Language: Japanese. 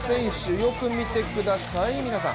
よく見てください、皆さん。